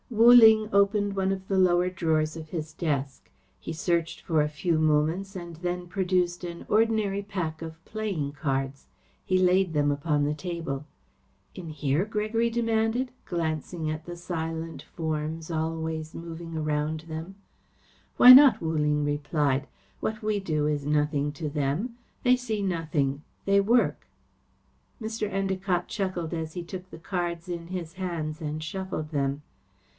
Wu Ling opened one of the lower drawers of his desk. He searched for a few moments and then produced an ordinary pack of playing cards. He laid them upon the table. "In here?" Gregory demanded, glancing at the silent forms, always moving around them. "Why not?" Wu Ling replied. "What we do is nothing to them. They see nothing. They work." Mr. Endacott chuckled as he took the cards in his hands and shuffled them.